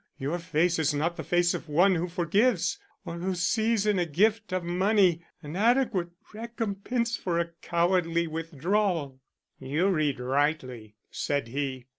Your face is not the face of one who forgives, or who sees in a gift of money an adequate recompense for a cowardly withdrawal." "You read rightly," said he.